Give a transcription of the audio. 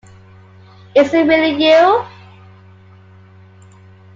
Is it really you?